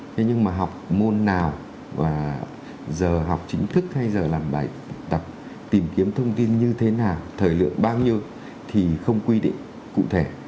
thế nhưng mà học môn nào và giờ học chính thức hay giờ làm bài tập tìm kiếm thông tin như thế nào thời lượng bao nhiêu thì không quy định cụ thể